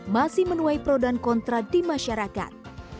masih menuai pro dan kontra di masyarakat